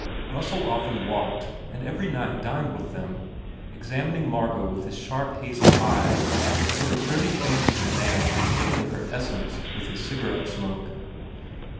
Russell often walked and every night dined with them, exam ining Margot with his sharp hazel eyes so that Gurdy fancied the man exhaling her essence with his cigarette smoke.